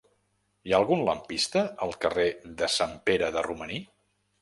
Hi ha algun lampista al carrer de Sant Pere de Romaní?